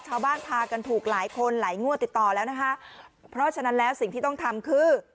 ชาวบ้านพากันถูกหลายคนหลายงวดติดต่อแล้วนะคะเพราะฉะนั้นแล้วสิ่งที่ต้องทำคือ